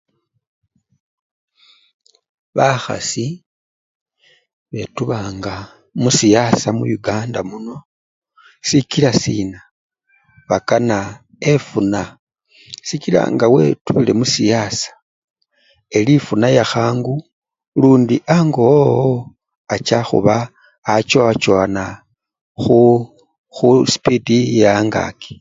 Bakhasi betubanga musiyasa muyukandamuno sikila siina, bakana efuna. Sikila ngawetubile musiyasa, eli-efuna yakhangu lundi ango wowo acha khuba achowachowana khu khusupidi ye-angaki.